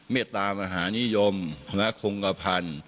เมตตามหานิยมมหาคงกภัณฑ์